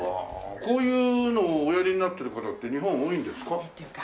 こういうのをおやりになってる方って日本多いんですか？